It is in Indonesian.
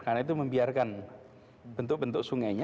karena itu membiarkan bentuk bentuk sungainya